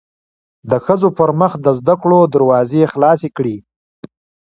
د ښځو پرمخ د زده کړو دروازې خلاصې کړی